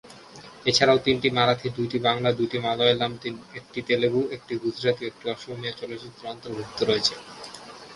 এছাড়াও তিনটি মারাঠি, দুইটি বাংলা, দুইটি মালয়ালম, একটি তেলুগু, একটি গুজরাতি এবং একটি অসমীয়া চলচ্চিত্র অন্তর্ভুক্ত রয়েছে।